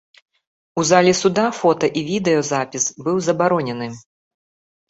У залі суда фота і відэа запіс быў забаронены.